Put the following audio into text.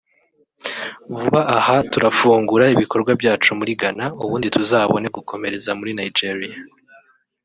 vuba aha turafungura ibikorwa byacu muri Ghana ubundi tuzabone gukomereza muri Nigeria